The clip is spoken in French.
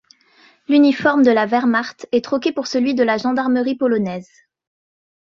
L'uniforme de la Wehrmacht est troqué pour celui de la gendarmerie polonaise.